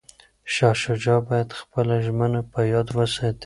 شاه شجاع باید خپله ژمنه په یاد وساتي.